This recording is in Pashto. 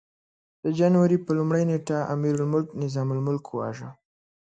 د جنوري پر لومړۍ نېټه امیرالملک نظام الملک وواژه.